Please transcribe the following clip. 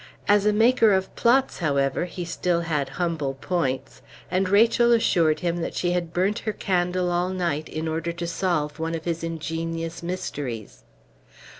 As a maker of plots, however, he still had humble points; and Rachel assured him that she had burnt her candle all night in order to solve one of his ingenious mysteries.